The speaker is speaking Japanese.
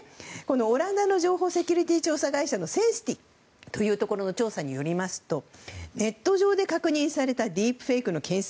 オランダの情報セキュリティー調査会社のセンシティというところの調査によりますとネット上で確認されたディープフェイクの件数